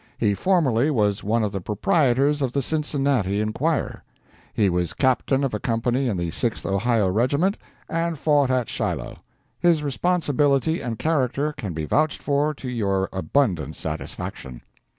He formerly was one of the proprietors of the Cincinnati Enquirer. He was Captain of a Company in the Sixth Ohio Regiment, and fought at Shiloh. His responsibility and character can be vouched for to your abundant satisfaction.